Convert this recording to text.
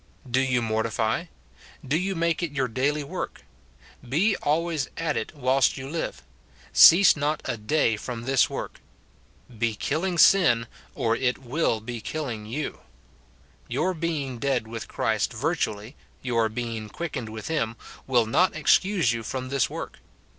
Do you mortify ; do you make it your daily 154 MORTIFICATION OF work ; be always at it whilst you live ; cease not a day from this work ; be killing sin or it will be killing you. Your being dead with Christ virtually, your being quick ened with him, will not excuse you from this work.